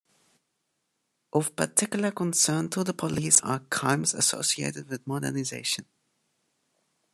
Of particular concern to the police are crimes associated with modernization.